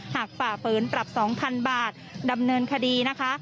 หากประเฟินปรับ๒๐๐๐บาทดำเนินคดีนะคะ